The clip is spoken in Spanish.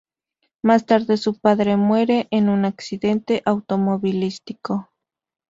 Más tarde su padre muere en un accidente automovilístico.